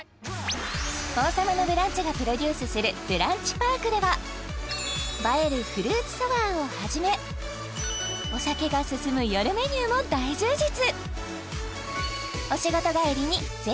「王様のブランチ」がプロデュースするブランチパークでは映えるフルーツサワーをはじめお酒が進む夜メニューも大充実